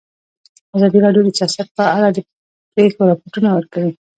ازادي راډیو د سیاست په اړه د پېښو رپوټونه ورکړي.